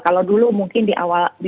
kalau dulu mungkin di awal